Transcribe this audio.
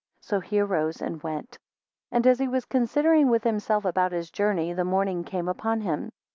So he arose, and went. 4 And as he was considering with himself about his journey, the morning came upon him.